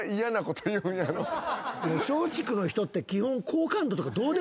松竹の人って基本。